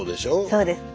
そうです。